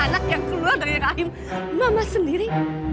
anak yang keluar dari rahim mama sendiri